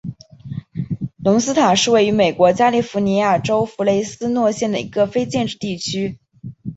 隆斯塔是位于美国加利福尼亚州弗雷斯诺县的一个非建制地区。